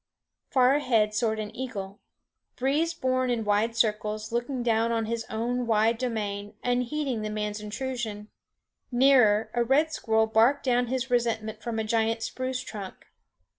Far overhead soared an eagle, breeze borne in wide circles, looking down on his own wide domain, unheeding the man's intrusion. Nearer, a red squirrel barked down his resentment from a giant spruce trunk.